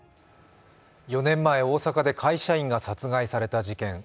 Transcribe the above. ４年前、大阪で会社員が殺害された事件。